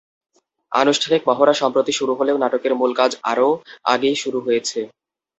আনুষ্ঠানিক মহড়া সম্প্রতি শুরু হলেও নাটকের মূল কাজ আরও আগেই শুরু হয়েছে।